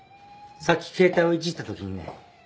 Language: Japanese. さっき携帯をいじったときにね